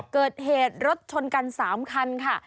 เกิดเหตุรถชนกัน๓คันค่ะ